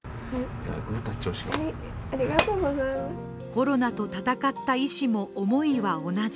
コロナと戦った医師も、思いは同じ。